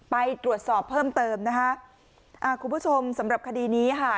ไปตรวจสอบเพิ่มเติมนะคะอ่าคุณผู้ชมสำหรับคดีนี้ค่ะ